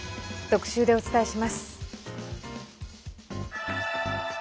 特集でお伝えします。